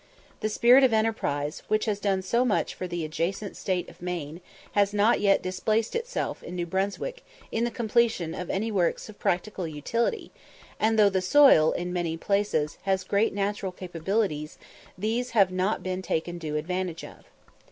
The spirit of enterprise, which has done so much for the adjacent state of Maine, has not yet displayed itself in New Brunswick in the completion of any works of practical utility; and though the soil in many places has great natural capabilities, these have not been taken due advantage of.